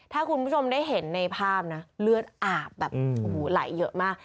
ถ้าคุณผู้ชมได้เห็นในภาพนะเลือดอาบแบบโอ้โหไหลเยอะมาก